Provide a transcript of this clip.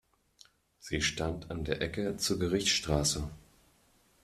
Sie stand an der Ecke zur Gerichtsstraße.